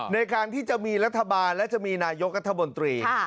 ในการที่จะมีรัฐบาลและจะมีนายกรัฐมนตรี